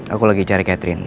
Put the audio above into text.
aku lagi cari catherine